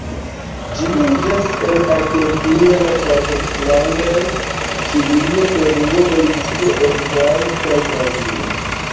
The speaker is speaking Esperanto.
Ĝi loĝas en Argentino, la Falklandoj, Ĉilio, Peruo, Bolivio, Urugvajo, kaj Brazilo.